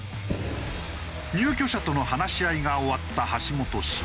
入居者との話し合いが終わった橋本氏。